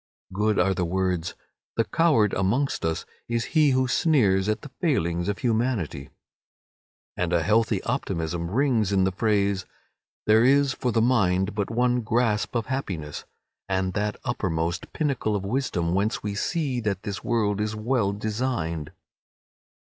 Good are the words "The coward amongst us is he who sneers at the failings of humanity," and a healthy optimism rings in the phrase "There is for the mind but one grasp of happiness; from that uppermost pinnacle of wisdom whence we see that this world is well designed."